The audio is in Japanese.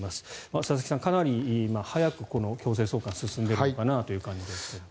佐々木さん、かなり早く強制送還が進んでいるのかなという感じですが。